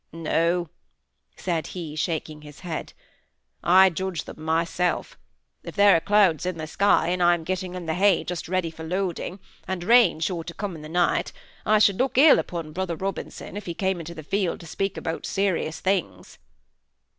"No!" said he, shaking his head. "I judge them by myself. If there are clouds in the sky, and I am getting in the hay just ready for loading, and rain sure to come in the night, I should look ill upon brother Robinson if he came into the field to speak about serious things."